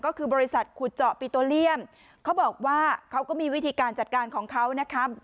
ก็คือบริษัทขุดเจาะปิโตเลียมเขาบอกว่าเขาก็มีวิธีการจัดการของเขานะครับ